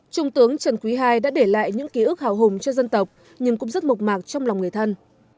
trung tướng trần quý ii đã để lại những ký ức hào hùng cho dân tộc nhưng cũng rất mộc mạc trong lòng người thân